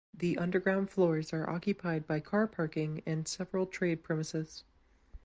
The underground floors are occupied by car parking and several trade premises.